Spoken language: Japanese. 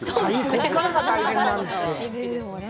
ここからが大変なんですよ。